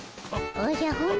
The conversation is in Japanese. おじゃ本田